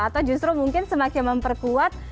atau justru mungkin semakin memperkuat